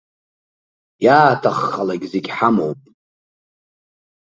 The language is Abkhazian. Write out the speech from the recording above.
Иааҭаххалак зегьы ҳамоуп.